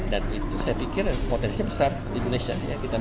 dan itu saya pikir potensi besar di indonesia